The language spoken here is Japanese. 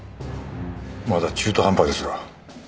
まだ中途半端ですが。